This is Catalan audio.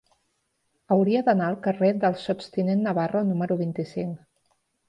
Hauria d'anar al carrer del Sots tinent Navarro número vint-i-cinc.